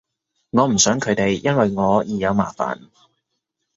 我唔想佢哋因為我而有麻煩